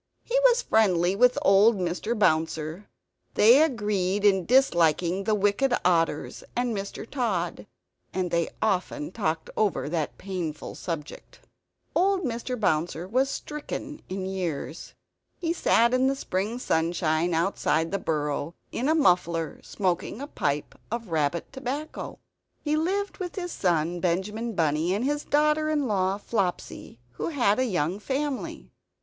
He was friendly with old Mr. Bouncer; they agreed in disliking the wicked otters and Mr. Tod; they often talked over that painful subject. Old Mr. Bouncer was stricken in years. He sat in the spring sunshine outside the burrow, in a muffler; smoking a pipe of rabbit tobacco. He lived with his son Benjamin Bunny and his daughter in law Flopsy, who had a young family.